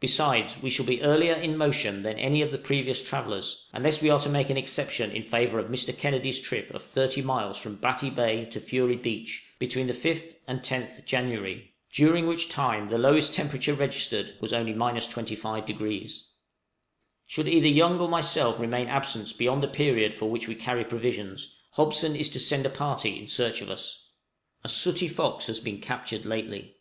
Besides, we shall be earlier in motion than any of the previous travellers, unless we are to make an exception in favor of Mr. Kennedy's trip of 30 miles from Batty Bay to Fury Beach, between the 5th and 10th January, during which time the lowest temperature registered was only 25°. Should either Young or myself remain absent beyond the period for which we carry provisions, Hobson is to send a party in search of us. A sooty fox has been captured lately.